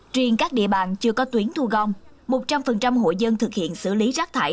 truyền các địa bàn chưa có tuyến thu gom một trăm linh hội dân thực hiện xử lý rác thải